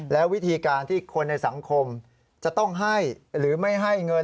และวิธีการที่คนในสังคมจะต้องให้หรือไม่ให้เงิน